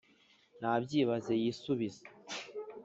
nabyibaze yisubize